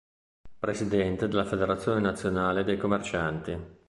Presidente della federazione nazionale dei commercianti.